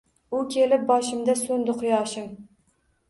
U kelib boshimda so’ndi quyoshim